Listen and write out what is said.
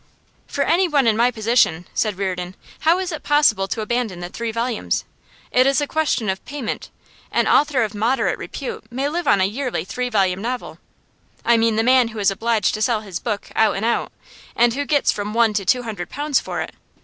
'For anyone in my position,' said Reardon, 'how is it possible to abandon the three volumes? It is a question of payment. An author of moderate repute may live on a yearly three volume novel I mean the man who is obliged to sell his book out and out, and who gets from one to two hundred pounds for it.